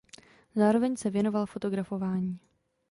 Zároveň se věnoval fotografování.